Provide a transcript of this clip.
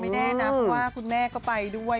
แน่นะเพราะว่าคุณแม่ก็ไปด้วย